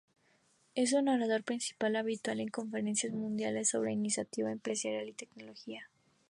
Es orador principal habitual en conferencias mundiales sobre iniciativa empresarial y tecnología.